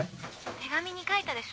手紙に書いたでしょ。